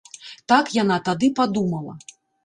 Так яна тады падумала.